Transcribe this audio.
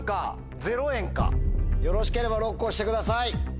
よろしければＬＯＣＫを押してください。